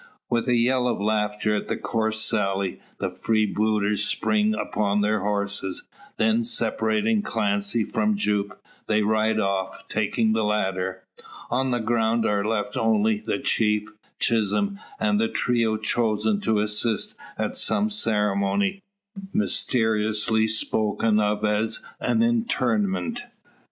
With a yell of laughter at the coarse sally, the freebooters spring upon their horses. Then, separating Clancy from Jupe, they ride off, taking the latter. On the ground are left only the chief, Chisholm, and the trio chosen to assist at some ceremony, mysteriously spoken of as an "interment."